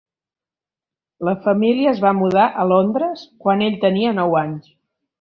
La família es va mudar a Londres quan ell tenia nou anys.